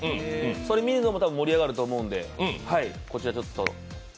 それを見るのも多分盛り上がると思うので、こちらちょっと。